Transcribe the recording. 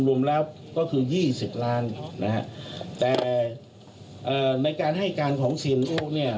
รวมแล้วก็คือ๒๐ล้านนะครับแต่ในการให้การของเซียนอู้เนี่ย